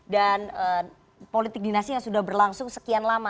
dan politik dinasinya sudah berlangsung sekian lama